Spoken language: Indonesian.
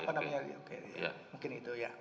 mungkin itu ya